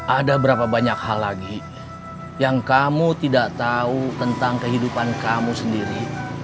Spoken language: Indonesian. ada berapa banyak hal lagi yang kamu tidak tahu tentang kehidupan kamu sendiri